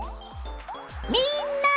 みんな！